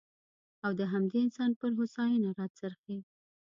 او د همدې انسان پر هوساینه راڅرخي.